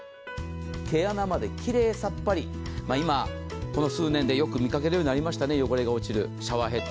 毛穴まできれいさっぱり、今、この数年でよく見かけるようになりましたね、汚れが落ちるシャワーヘッド。